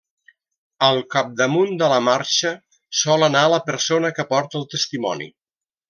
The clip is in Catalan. Al capdamunt de la marxa sol anar la persona que porta el testimoni.